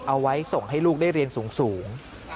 เอาไว้ส่งให้ลูกได้เรียนสูง